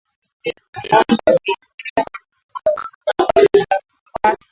Ngombe huathirika na ugonjwa wa kuoza kwato